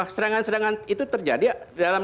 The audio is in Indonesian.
serangan serangan itu terjadi dalam